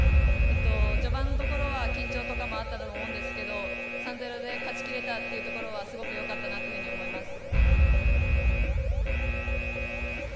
序盤は緊張とかもあったと思うんですが３‐０で勝ち切れたというところはすごくよかったなと思います。